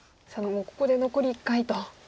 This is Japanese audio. もうここで残り１回と。